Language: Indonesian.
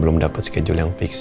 belum dapat schedule yang fix